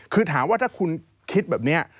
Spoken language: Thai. คือถามว่าถ้าคุณคิดแบบนี้